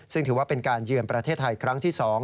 ซึ่งถือว่าเป็นการเยือนประเทศไทยครั้งที่๒